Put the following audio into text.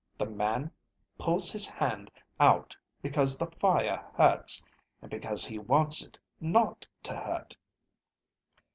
The man pulls his hand out because the fire hurts, and because he wants it not to hurt."